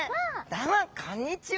どうもこんにちは。